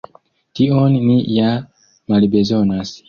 Tion ni ja malbezonas.